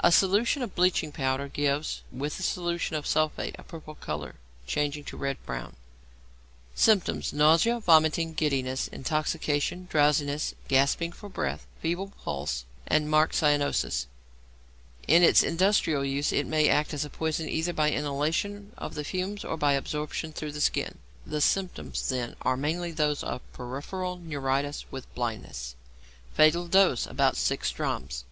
A solution of bleaching powder gives with solution of the sulphate a purple colour changing to red brown. Symptoms. Nausea, vomiting, giddiness, intoxication, drowsiness, gasping for breath, feeble pulse, and marked cyanosis. In its industrial use it may act as a poison either by inhalation of the fumes or by absorption through the skin. The symptoms then are mainly those of peripheral neuritis with blindness. Fatal Dose. About 6 drachms.